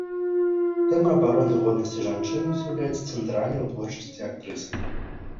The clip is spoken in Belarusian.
Тэма абароны годнасці жанчыны з'яўлялася цэнтральнай у творчасці актрысы.